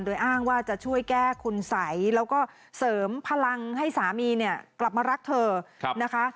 โดยอ้างว่าจะช่วยแก้คุณสัยแล้วก็เสริมพลังให้สามีเนี่ยกลับมารักเธอนะคะ